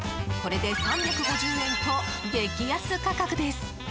これで３５０円と激安価格です。